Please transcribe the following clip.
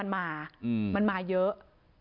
มันมาเยอะ